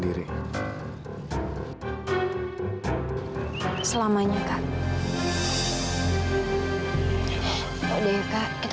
irallah yang sudah melihat kita